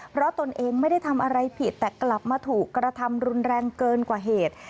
เพราะตนเองไม่ได้ทำอะไรผิดแต่กลับมาถูกกระทำรุนแรงเกินกว่าเหตุ